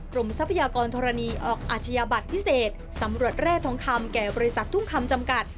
ทรัพยากรธรณีออกอาชญาบัตรพิเศษสำรวจแร่ทองคำแก่บริษัททุ่งคำจำกัด